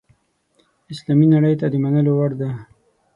اسلامي نړۍ ته د منلو وړ ده.